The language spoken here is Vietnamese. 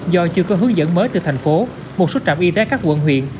do chưa có hướng dẫn mới từ thành phố một số trạm y tế các quận huyện